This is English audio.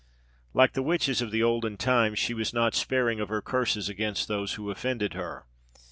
Like the witches of the olden time, she was not sparing of her curses against those who offended her.